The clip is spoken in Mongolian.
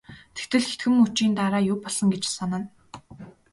Тэгтэл хэдхэн мөчийн дараа юу болсон гэж санана.